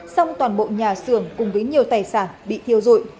song toàn bộ nhà xưởng cùng với nhiều tài sản bị thiêu dụi